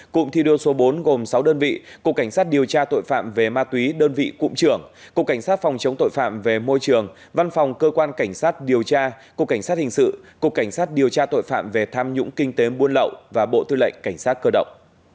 cụm thi đua số bốn gồm sáu đơn vị cục cảnh sát điều tra tội phạm về ma túy đơn vị cụm trưởng cục cảnh sát phòng chống tội phạm về môi trường văn phòng cơ quan cảnh sát điều tra cục cảnh sát hình sự cục cảnh sát điều tra tội phạm về tham nhũng kinh tế buôn lậu và bộ tư lệnh cảnh sát cơ động